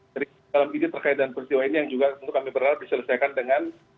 jadi dalam ini terkait dengan peristiwa ini yang juga tentu kami berharap diselesaikan dengan